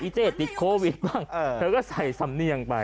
เจ๊ติดโควิดบ้างเธอก็ใส่สำเนียงไป